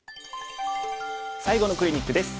最後のクリニックです。